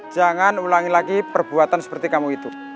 jangan ulangi lagi perbuatan seperti kamu itu